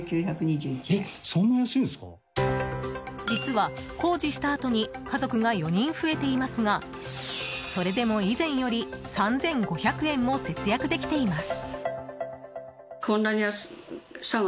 実は工事したあとに家族が４人増えていますがそれでも以前より３５００円も節約できています。